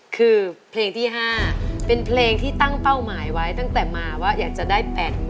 คือเพลงที่๕เป็นเพลงที่ตั้งเป้าหมายไว้ตั้งแต่มาว่าอยากจะได้๘๐๐๐